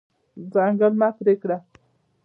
ځنګل مه پرې کړه.